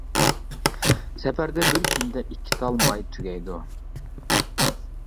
سەپەردە بىر كۈندە ئىككى تال ماي تۈگەيدۇ.